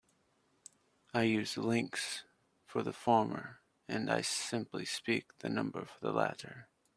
I use "links" for the former and I simply speak the number for the latter.